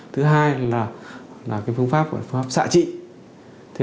thứ hai là phương pháp xạ trị